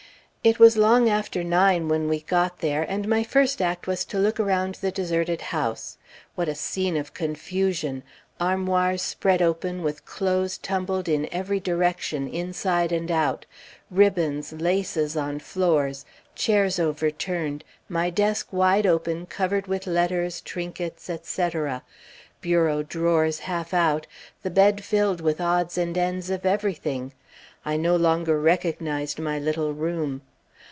It was long after nine when we got there, and my first act was to look around the deserted house. What a scene of confusion! armoirs spread open, with clothes tumbled in every direction, inside and out; ribbons, laces on floors; chairs overturned; my desk wide open covered with letters, trinkets, etc.; bureau drawers half out, the bed filled with odds and ends of everything. I no longer recognized my little room.